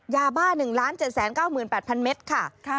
ยาบ้า๑๗๙๘๐๐เมตรค่ะ